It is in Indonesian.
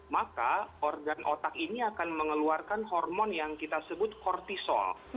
maka organ otak ini akan mengeluarkan hormon yang kita sebut kortisol